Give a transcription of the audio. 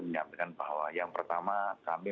menyampaikan bahwa yang pertama kami